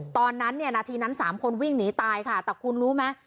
ตอนนั้นเนี่ยนาทีนั้น๓คนวิ่งหนีตายค่ะแต่คุณรู้ไหม